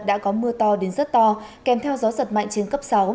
đã có mưa to đến rất to kèm theo gió giật mạnh trên cấp sáu